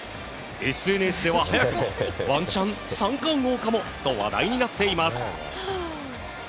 ＳＮＳでは早くもワンチャン三冠王かもと話題になっています。